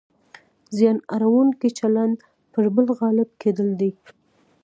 زیان اړونکی چلند پر بل غالب کېدل دي.